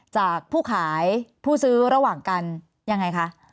จากผู้ขายผู้ซื้อระหว่างกันยังไงคะ